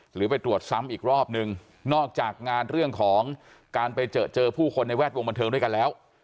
หรือไปตรวจซ้ำอีกรอบนึงนอกจากงานเรื่องของการไปเจอเจอผู้คนในแวดวงบันเทิงด้วยกันแล้ว